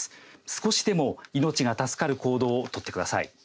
少しでも命が助かる行動を取ってください。